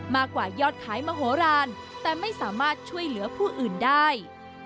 มากกว่ายอดขายมโหลานแต่ไม่สามารถช่วยเหลือผู้อื่นได้